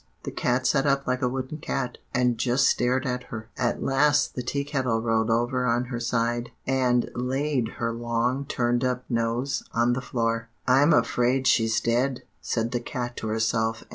The cat sat up like a wooden cat, and just stared at her. At last the Tea Kettle rolled over on her side, and laid her long turned up nose on the floor. "'I'm afraid she's dead,' said the cat to herself.